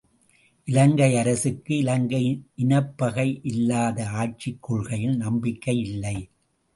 இலங்கை அரசுக்கு, இலங்கையின் இனப்பகையில்லாத ஆட்சிக் கொள்கையில் நம்பிக்கையில்லை.